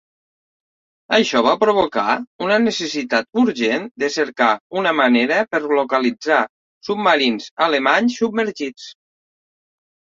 Això va provocar una necessitat urgent de cercar una manera per localitzar submarins alemanys submergits.